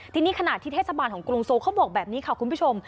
ทีนี้ขณะที่เทศบาลของกรุงโซเขาบอกแบบนี้ค่ะคุณผู้ชม